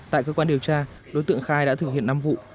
tại cơ quan điều tra đối tượng khai đã thực hiện năm vụ